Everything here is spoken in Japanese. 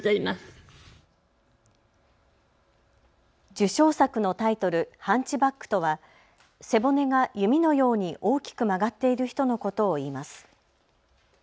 受賞作のタイトル、ハンチバックとは背骨が弓のように大きく曲がっている人のことを言います。